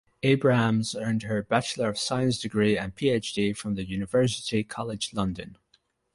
Abrahams earned her Bachelor of Science degree and PhD from the University College London.